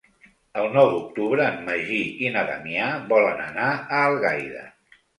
El nou d'octubre en Magí i na Damià volen anar a Algaida.